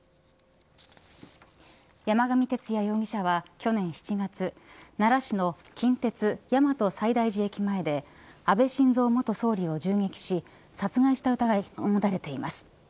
山上徹也容疑者は去年７月、奈良市の近鉄大和西大寺駅前で安倍晋三元総理を銃撃し殺害した疑いが持たれています。